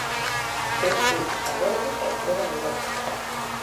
Tres puntos a bordo e proa a Europa.